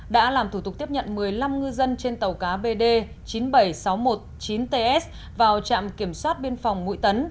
đã làm thủ tục tiếp nhận một mươi năm ngư dân trên tàu cá bd chín mươi bảy nghìn sáu trăm một mươi chín ts vào trạm kiểm soát biên phòng mũi tấn